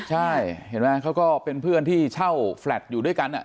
ใช่เห็นไหมเขาก็เป็นเพื่อนที่เช่าแฟลตอยู่ด้วยกัน